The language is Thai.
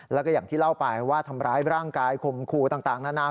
แล้วก็อย่างที่เล่าไปว่าทำร้ายร่างกายข่มขู่ต่างนานา